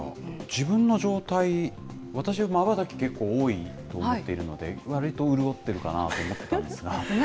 自分の状態、私はまばたき、結構多いと思っているので、わりと潤っているかなと思ってたんですが。